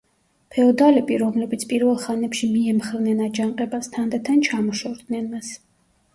ფეოდალები, რომლებიც პირველ ხანებში მიემხრნენ აჯანყებას, თანდათან ჩამოშორდნენ მას.